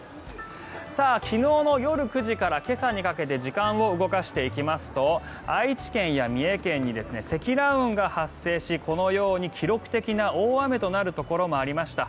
昨日の夜９時から今朝にかけて時間を動かしていきますと愛知県や三重県に積乱雲が発生しこのように記録的な大雨となるところもありました。